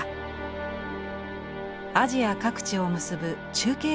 アジア各地を結ぶ中継